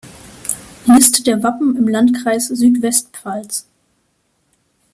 Liste der Wappen im Landkreis Südwestpfalz